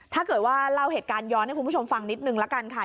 ถ้าเกิดว่าเล่าเหตุการณ์ย้อนให้คุณผู้ชมฟังนิดนึงละกันค่ะ